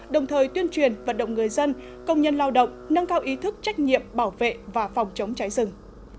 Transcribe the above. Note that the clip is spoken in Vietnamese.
đồng thời tuyên truyền vận động người dân công nhân lao động nâng cao ý thức trách nhiệm bảo vệ và phòng chống cháy rừng